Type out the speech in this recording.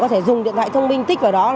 có thể dùng điện thoại thông minh tích vào đó